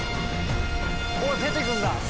おっ出てくんだ。